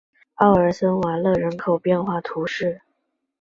奥尔森瓦勒人口变化图示